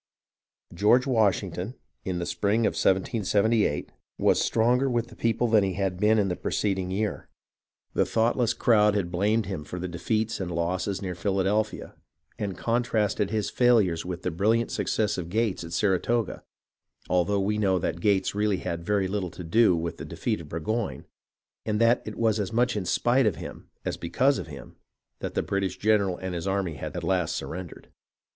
George Washington, in the spring of 1778, was stronger with the people than he had been in the preceding year. MONMOUTH AND NEWPORT 229 The thoughtless crowd had blamed him for the defeats and losses near Philadelphia, and contrasted his failures with the brilliant success of Gates at Saratoga, although we know that Gates really had had very little to do with the defeat of Burgoyne, and that it was as much in spite of him as because of him that the British general and his army at last surrendered.